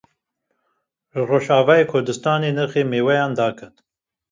Li Rojavayê Kurdistanê nirxê mêweyan daket.